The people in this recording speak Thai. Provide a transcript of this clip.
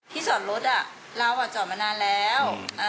ที่จอดรถเราจอดมานานแล้ว